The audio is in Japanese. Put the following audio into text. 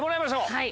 はい。